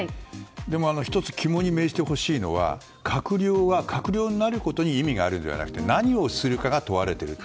でも、１つ肝に銘じてほしいのは閣僚は、閣僚になることに意味があるのではなくて何をするかが問われていると。